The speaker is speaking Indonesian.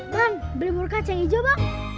bang beli murkacang hijau bang